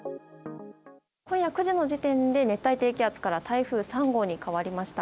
今夜９時の時点で熱帯低気圧から台風３号に変わりました。